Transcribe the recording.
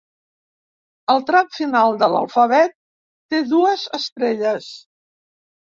El tram final de l'alfabet té dues estrelles.